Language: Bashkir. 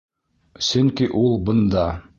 Сөнки ул бында!